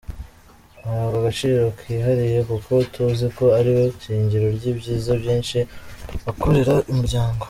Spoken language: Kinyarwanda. Ahabwa agaciro kihariye, kuko tuzi ko ariwe shingiro ry’ibyiza byinshi wakorera umuryango.